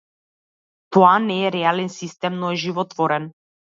Тоа не е реален систем, но е животворен.